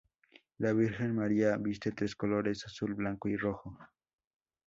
La Virgen María viste tres colores: azul, blanco y rojo.